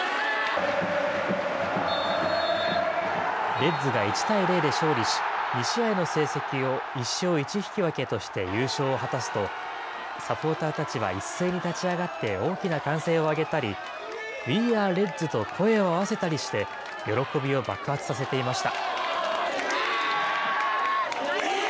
レッズが１対０で勝利し、２試合の成績を１勝１引き分けとして優勝を果たすと、サポーターたちは一斉に立ち上がって、大きな歓声を上げたり、ウィー・アー・レッズと声を合わせたりして、喜びを爆発させていました。